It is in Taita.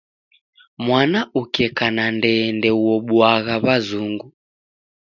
Mwana ukeka na ndee ndeuobuagha w'azungu.